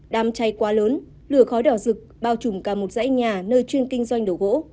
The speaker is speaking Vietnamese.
đám cháy quá lớn lửa khói đỏ rực bao trùm cả một dãy nhà nơi chuyên kinh doanh đồ gỗ